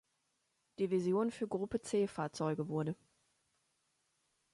Division für Gruppe-C-Fahrzeuge wurde.